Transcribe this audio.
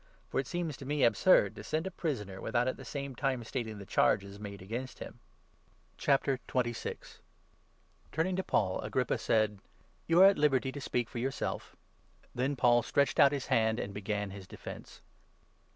For it seems to me absurd to send 27 a prisoner, without at the same time stating the charges made against him." Turning to Paul, Agrippa said : i " You are at liberty to speak for yourself." Then Paul stretched out his hand and began his defence.